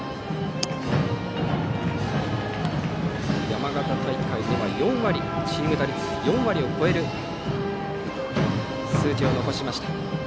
山形大会ではチーム打率４割を超える数字を残しました。